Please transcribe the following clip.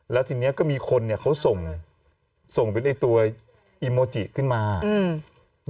แล้วทีเนี้ยก็มีคนเนี้ยเขาส่งส่งเป็นไอ้ตัวอีโมจิขึ้นมาอืม